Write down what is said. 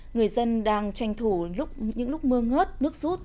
người dân đang tranh thủ những lúc mưa ngớt nước rút